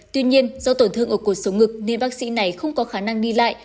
tuy nhiên do tổn thương ở cột số ngực nên bác sĩ này không có khả năng đi lại